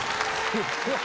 すごい！